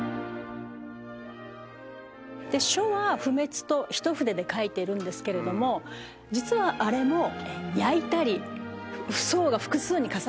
書は「不滅」と一筆で書いてるんですけれども実はあれも焼いたり層が複数に重なっていたり。